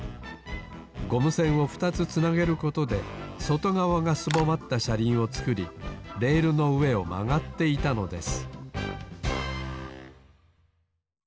ゴム栓を２つつなげることでそとがわがすぼまったしゃりんをつくりレールのうえをまがっていたのです